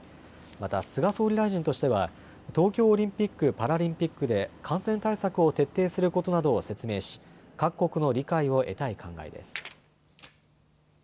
また菅総理大臣としては東京オリンピック・パラリンピックで感染対策を徹底することなどを説明し各国の理解を得たい考えです。